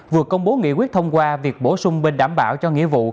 vừa công bố nghị quyết thông qua việc bổ sung bên đảm bảo cho nghĩa vụ